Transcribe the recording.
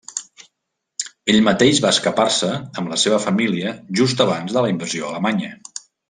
Ell mateix va escapar-se, amb la seva família, just abans de la invasió alemanya.